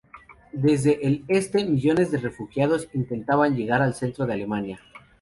Desde el este, millones de refugiados intentaban llegar al centro de Alemania.